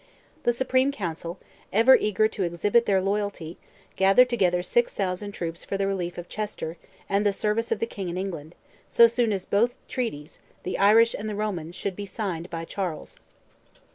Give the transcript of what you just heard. The Supreme Council, ever eager to exhibit their loyalty, gathered together 6,000 troops for the relief of Chester and the service of the King in England, so soon as both treaties—the Irish and the Roman—should be signed by Charles.